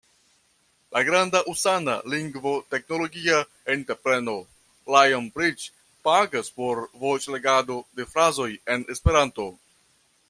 La granda usona lingvoteknologia entrepreno Lionbridge pagas por voĉlegado de frazoj en Esperanto.